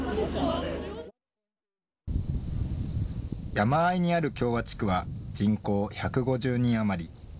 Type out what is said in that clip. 山あいにある共和地区は人口１５０人余り。